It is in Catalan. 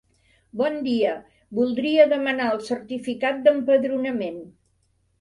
Bon dia, voldria demanar el certificat d'empadronament.